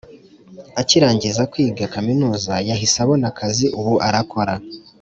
Akirangiza kwiga kaminuza yahise abona akazi ubu arakora